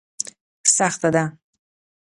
سخته ده.